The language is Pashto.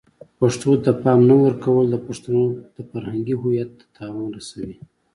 پښتو ته د پام نه ورکول د پښتنو د فرهنګی هویت ته تاوان رسوي.